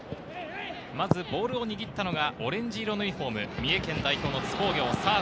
まずボールを握ったのがオレンジ色のユニホーム、三重県代表の津工業。